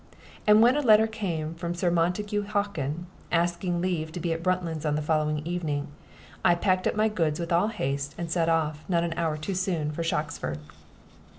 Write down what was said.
And when a letter came from Sir Montague Hockin, asking leave to be at Bruntlands on the following evening, I packed up my goods with all haste, and set off, not an hour too soon, for Shoxford.